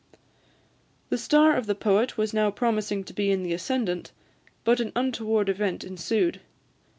The star of the poet was now promising to be in the ascendant, but an untoward event ensued.